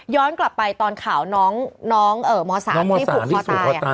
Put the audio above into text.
ย้อนกลับไปตอนข่าวน้องน้องเอ่อมศให้ผูกพ่อตาย